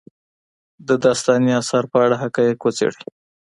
د داستاني اثر په اړه حقایق وڅېړئ.